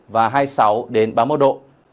và hai mươi sáu đến ba mươi một độ